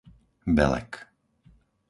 Belek